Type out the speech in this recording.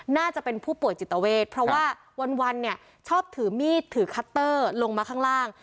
น่าจะเป็นผู้ป่วยจิตเวทเพราะว่าวันเนี่ยชอบถือมีดถือคัตเตอร์ลงมาข้างล่าง